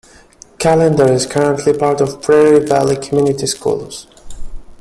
Callender is currently part of Prairie Valley Community Schools.